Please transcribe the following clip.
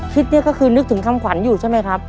เนี่ยก็คือนึกถึงคำขวัญอยู่ใช่ไหมครับ